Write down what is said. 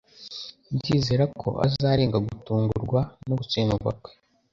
Ndizera ko azarenga gutungurwa no gutsindwa kwe.